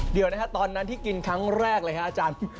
เดี๋ยวนะครับตอนนั้นที่กินครั้งแรกเลยครับอาจารย์